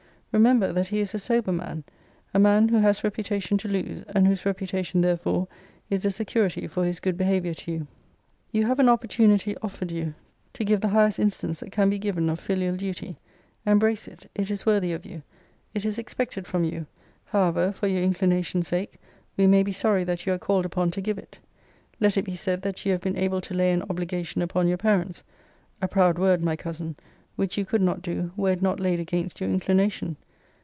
Remember, that he is a sober man a man who has reputation to lose, and whose reputation therefore is a security for his good behaviour to you. You have an opportunity offered you to give the highest instance that can be given of filial duty. Embrace it. It is worthy of you. It is expected from you; however, for your inclination sake, we may be sorry that you are called upon to give it. Let it be said that you have been able to lay an obligation upon your parents, (a proud word, my cousin!) which you could not do, were it not laid against your inclination!